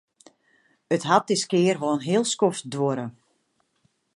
It hat diskear wol in heel skoft duorre.